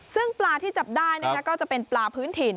ซึ่งปลาที่จับได้ก็จะเป็นปลาพื้นถิ่น